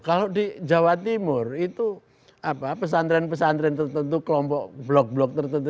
kalau di jawa timur itu pesantren pesantren tertentu kelompok blok blok tertentu